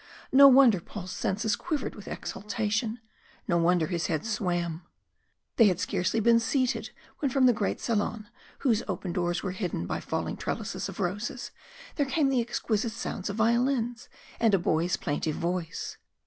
No wonder Paul's senses quivered with exaltation. No wonder his head swam. They had scarcely been seated when from the great salon, whose open doors were hidden by falling trellises of roses, there came the exquisite sounds of violins, and a boy's plaintive voice.